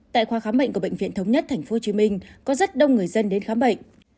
tại khoa khám bệnh của bệnh viện thống nhất tp hcm có rất đông người dân đến khám bệnh